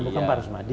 bukan pak rusmadi